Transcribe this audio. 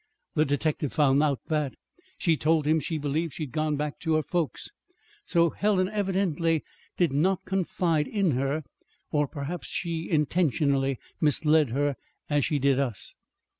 The detective found out that. She told him she believed she'd gone back home to her folks. So Helen evidently did not confide in her or perhaps she intentionally misled her, as she did us."